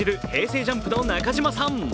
ＪＵＭＰの中島さん。